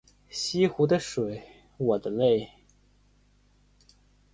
西湖的水我的泪